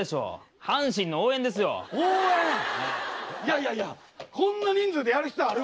いやいやこんな人数でやる必要ある？